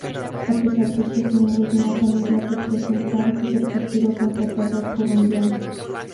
A pesar de ser miembro de una familia representante del partido conservador colombiano.